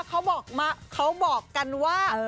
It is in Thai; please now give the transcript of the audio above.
เขาบอกมันเค้าบอกกันว่า